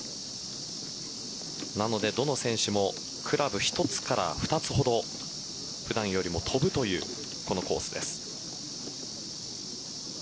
なので、どの選手もクラブ１つから２つほど普段よりも飛ぶというこのコースです。